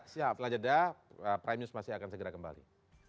siap setelah jeda prime news masih akan segera kembali